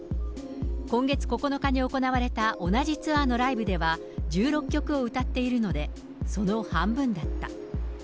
今月９日に行われた同じツアーのライブでは１６曲を歌っているので、その半分だった。